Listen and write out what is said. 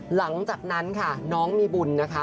หลังจากนั้นค่ะน้องมีบุญนะคะ